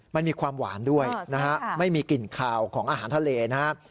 มันมีความหวานด้วยนะฮะไม่มีกลิ่นคาวของอาหารทะเลนะครับ